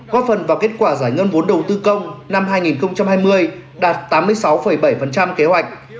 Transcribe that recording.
góp phần vào kết quả giải ngân vốn đầu tư công năm hai nghìn hai mươi đạt tám mươi sáu bảy kế hoạch